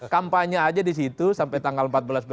kampanye saja disitu sampai tanggal empat belas februari